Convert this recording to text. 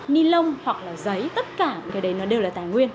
nilon hoặc là giấy tất cả cái đấy nó đều là tài nguyên